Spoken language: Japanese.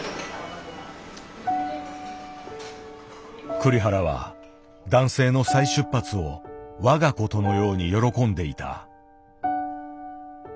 栗原は男性の再出発を我がことのように喜んでいた。